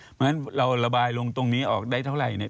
เพราะฉะนั้นเราระบายลงตรงนี้ออกได้เท่าไหร่เนี่ย